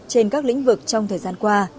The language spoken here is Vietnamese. trên các lĩnh vực trong thời gian qua